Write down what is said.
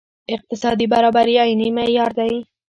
اقتصادي برابري عیني معیار دی.